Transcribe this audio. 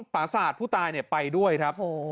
ปราศาสตร์ผู้ตายไปด้วยครับ